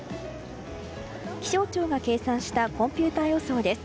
気象庁が計算したコンピューター予想です。